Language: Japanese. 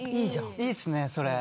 いいっすねそれ。